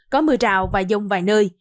có mưa rào và giông vài nơi